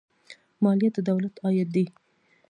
مالیه د دولت عاید دی